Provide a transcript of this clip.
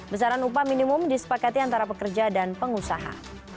besaran upah minimum disepakati antara pekerja dan pengusaha